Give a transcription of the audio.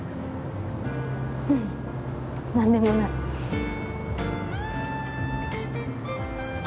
ううん何でもないあ